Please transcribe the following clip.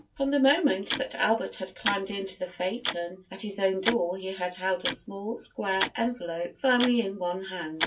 From the moment that Albert had climbed into the phaeton at his own door he had held a small square envelope firmly in one hand.